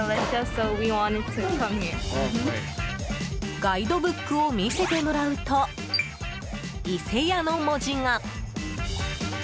ガイドブックを見せてもらうと「いせや」の文字が。